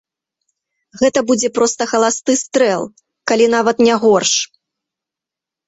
Гэта будзе проста халасты стрэл, калі нават не горш.